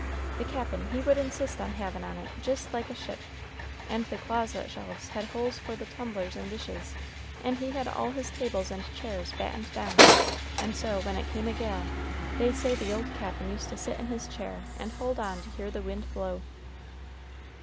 The Cap'n he would insist on havin' on't jist like a ship, and the closet shelves had holes for the tumblers and dishes, and he had all his tables and chairs battened down, and so when it came a gale, they say the old Cap'n used to sit in his chair and hold on to hear the wind blow."